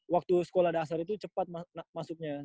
waktu sekolah dasar itu cepat masuknya